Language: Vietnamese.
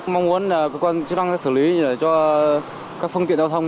mong muốn là cơ quan chức năng sẽ xử lý cho các phương tiện đào thông